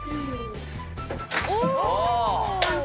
お！